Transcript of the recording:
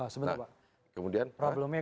sebenarnya pak problemnya